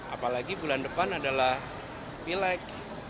apalagi bulan depan adalah pileg